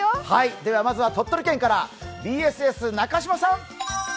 まずは鳥取県からＢＳＳ中島さん。